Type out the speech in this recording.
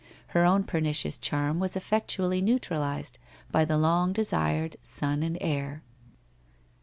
Her own pernicious charm was effectually neutralized by the long desired son and heir.